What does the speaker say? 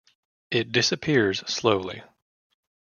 It disappears slowly.